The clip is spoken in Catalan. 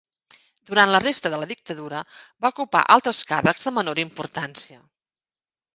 Durant la resta de la dictadura va ocupar altres càrrecs de menor importància.